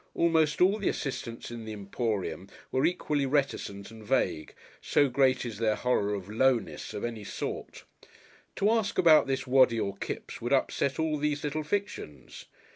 Almost all the assistants in the Emporium were equally reticent and vague, so great is their horror of "Lowness" of any sort. To ask about this "Waddy or Kipps" would upset all these little fictions.